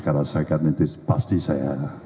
merasakan nanti pasti saya